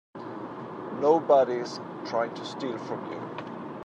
Nobody's trying to steal from you.